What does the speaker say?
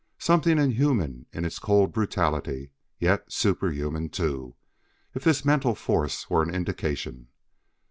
Something inhuman in its cold brutality, yet superhuman too, if this mental force were an indication.